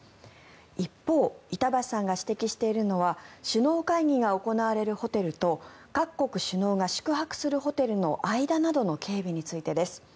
一方、板橋さんが指摘しているのは首脳会議が行われるホテルと各国首脳が宿泊するホテルの間などの警備についてです。